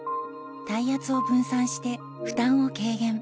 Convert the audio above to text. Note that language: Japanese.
体圧を分散して負担を軽減